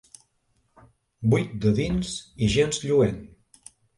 Buit de dins i gens lluent.